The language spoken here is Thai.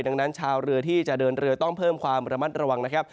ดังนั้นชาวเรือที่จะเดินเรือต้องเพิ่มความระมัดระวังนะครับ